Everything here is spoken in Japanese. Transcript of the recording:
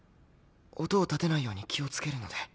音を立てないように気をつけるので。